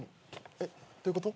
えっどういうこと？